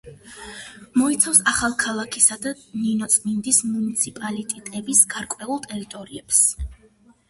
მოიცავს ახალქალაქისა და ნინოწმინდის მუნიციპალიტეტების გარკვეულ ტერიტორიებს.